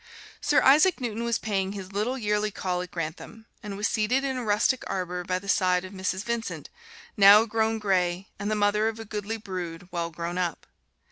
Sir Isaac Newton was paying his little yearly call at Grantham; and was seated in a rustic arbor by the side of Mrs. Vincent, now grown gray, and the mother of a goodly brood, well grown up.